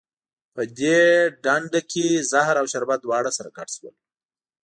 په دې ډنډه کې زهر او شربت دواړه سره ګډ شول.